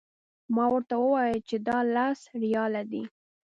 ما ورته وویل چې دا لس ریاله دي.